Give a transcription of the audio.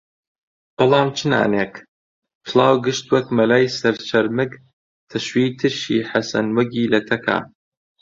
بەڵام چ نانێک، پڵاو گشت وەک مەلای سەرچەرمگ تەشوی ترشی حەسەن وەگی لە تەکا